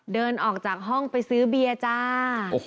เดินออกจากห้องไปซื้อเบียร์จ้า